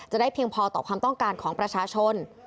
เพียงพอต่อความต้องการของประชาชน